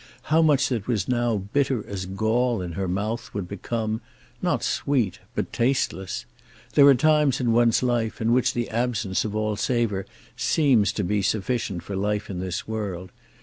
How much that was now bitter as gall in her mouth would become, not sweet, but tasteless. There are times in one's life in which the absence of all savour seems to be sufficient for life in this world.